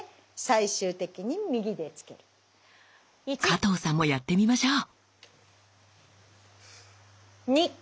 加藤さんもやってみましょう。